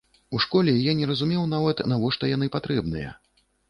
У школе я не разумеў нават, навошта яны патрэбныя.